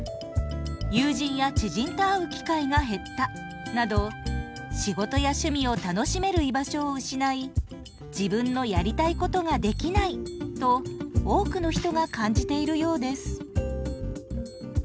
「『友人や知人と会う』機会が減った」など仕事や趣味を楽しめる居場所を失い自分のやりたいことができないと多くの人が感じているようです。